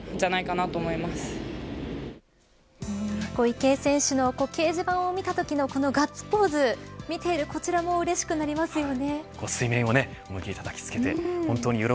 池江選手の掲示板を見たときのこのガッツポーズ見ているこちらもうれしくなりますよね。